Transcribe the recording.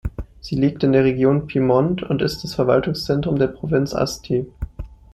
Sie liegt in der Region Piemont und ist das Verwaltungszentrum der Provinz Asti.